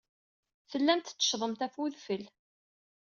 Tellamt tetteccgemt ɣef wedfel.